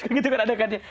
suka gitu kan adekannya